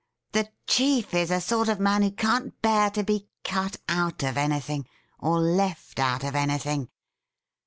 The chief is a sort of man who can't bear to be cut out of anythiiig or left out of anything.